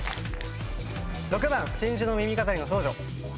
６番真珠の耳飾りの少女。